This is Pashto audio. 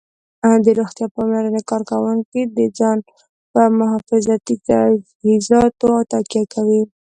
د روغتیا پاملرنې کارکوونکي د ځان په محافظتي تجهیزاتو تکیه کوي